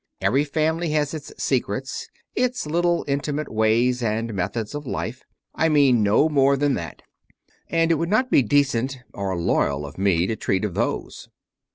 Every family has its "secrets," its little intimate ways and methods of life I mean no more than that and it would not be decent or loyal of me to treat of these.